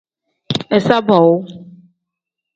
Iza boowu.